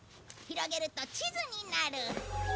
広げると地図になる。